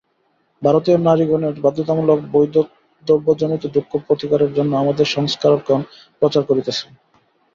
ভারতীয় নারীগণের বাধ্যতামূলক বৈধব্যজনিত দুঃখ প্রতিকারের জন্য আমাদের সংস্কারকগণ প্রচার করিতেছেন।